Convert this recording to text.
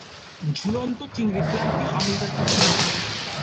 ঝুলন্ত চিংড়ি ক্রান্তীয় আমেরিকার প্রজাতি।